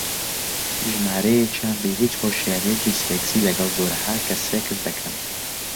ژمارەیەکیان بێ هیچ هۆشیارییەکی سێکسی لەگەڵ جۆرەها کەس سێکس دەکەن